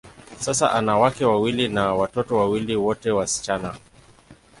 Sasa, ana wake wawili na watoto wawili, wote wasichana.